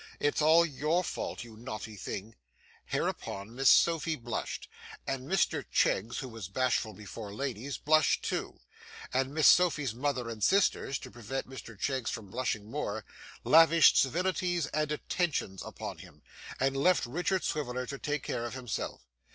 It's all your fault, you naughty thing.' Hereupon Miss Sophy blushed, and Mr Cheggs (who was bashful before ladies) blushed too, and Miss Sophy's mother and sisters, to prevent Mr Cheggs from blushing more, lavished civilities and attentions upon him, and left Richard Swiveller to take care of himself.